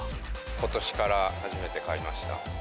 ことしから初めて買いました。